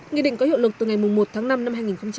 nghị định có hiệu lực từ ngày một tháng năm năm hai nghìn hai mươi